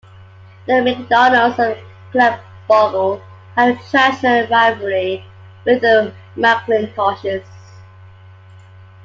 The MacDonalds of Glenbogle have a traditional rivalry with the MacIntoshes.